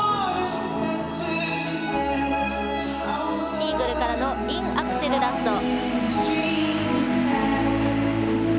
イーグルからのインアクセルラッソー。